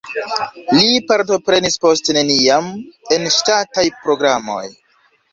Li partoprenis poste neniam en ŝtataj programoj.